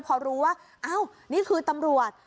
พอรู้ว่าอ้าวนี่คือตำรวจ